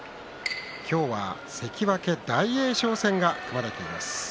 今日は関脇大栄翔戦が組まれています。